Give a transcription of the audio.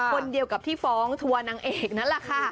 คนเดียวกับที่ฟ้องทัวร์นางเอกนั่นแหละค่ะ